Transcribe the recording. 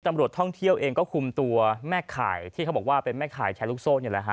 ตำรวจท่องเที่ยวเองก็คุมตัวแม่ข่ายที่เขาบอกว่าเป็นแม่ข่ายแชร์ลูกโซ่นี่แหละฮะ